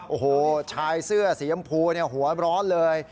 โอ้โหชายเสื้อสียำพูหัวร้อนเลย